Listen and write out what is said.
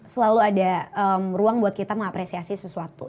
selalu ada ruang buat kita mengapresiasi sesuatu